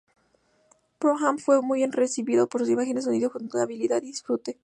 Pro-Am" fue bien recibido por sus imágenes, sonido, jugabilidad y disfrute.